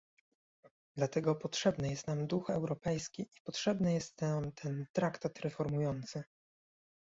Dlatego potrzebny jest nam duch europejski i potrzebny jest nam ten traktat reformujący!